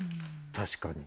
確かに。